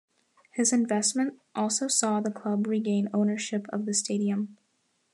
His investment also saw the club regain ownership of the stadium.